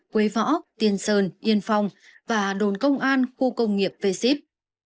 quế võ tiên sơn yên phong và đổn công an khu công nghiệp vsip